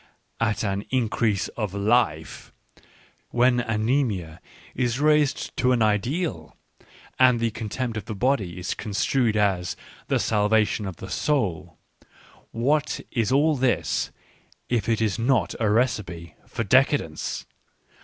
at an increase of life ; when anaemia is raised to an ideal and the contempt of the body is construed as " the salvation of the soul," what is all this if it is not a recipe for decadence